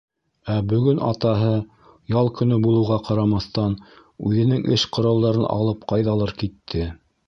Ә бөгөн атаһы, ял көнө булыуға ҡарамаҫтан, үҙенең эш ҡоралдарын алып ҡайҙалыр китте.